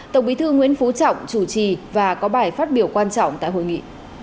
tổng bí thư nguyễn phú trọng chủ trì và có bài phát biểu quan trọng tại hội nghị